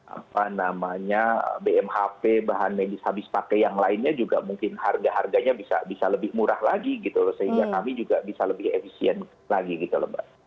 apa namanya bmhp bahan medis habis pakai yang lainnya juga mungkin harga harganya bisa lebih murah lagi gitu loh sehingga kami juga bisa lebih efisien lagi gitu loh mbak